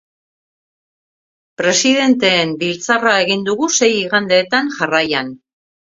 Presidenteen biltzarra egin dugu sei igandetan jarraian.